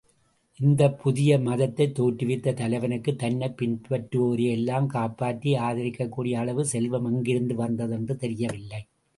இந்தப் புதிய மதத்தைத் தோற்றுவித்த தலைவனுக்குத் தன்னைப் பின்பற்றுவோரையெல்லாம் காப்பாற்றி ஆதரிக்கக்கூடிய அளவு செல்வம் எங்கிருந்து வந்ததென்று தெரியவில்லை.